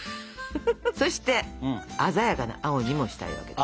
そして鮮やかな青にもしたいわけです。